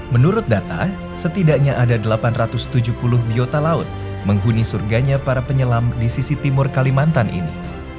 menurut data setidaknya ada delapan ratus tujuh puluh biota laut menghuni surganya para penyelam di sisi timur kalimantan ini